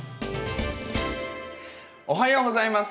おはようございます。